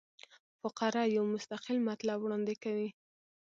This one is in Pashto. فقره یو مستقل مطلب وړاندي کوي.